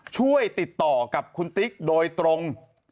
ช่วยติดต่อกับคุณติ๊กโดยตรง